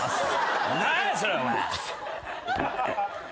何やそれお前！